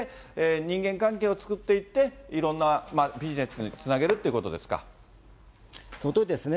人間関係を作っていって、いろんなビジネスにつなげるということそのとおりですね。